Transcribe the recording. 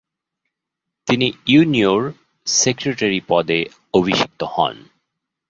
তিনি ইউনিওর সেক্রেটারী পদে অভিষিক্ত হন।